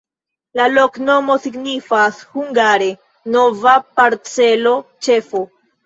La loknomo signifas hungare: nova-parcelo-ĉefo.